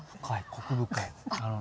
コク深い。